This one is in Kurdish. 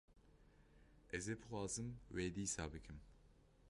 Ez ê bixwazim wê dîsa bikim.